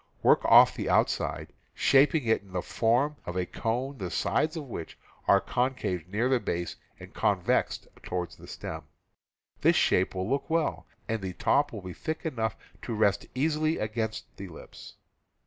Work off the outside, shaping it in the form of a cone the sides of which are concaved near the base and convexed toward the stem. This shape will look well, and the top will be thick enough to rest easily against the lips.